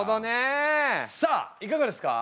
さあいかがですか？